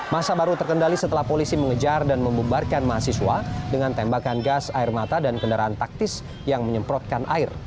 masa baru terkendali setelah polisi mengejar dan membubarkan mahasiswa dengan tembakan gas air mata dan kendaraan taktis yang menyemprotkan air